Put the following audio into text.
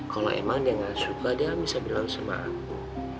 kalau emang dia nggak suka dia bisa bilang sama aku